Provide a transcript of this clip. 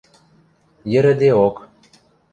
Йӹрӹдеок.